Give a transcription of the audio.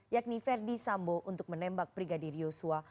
yakni verdi sambo untuk menembak brigadir yosua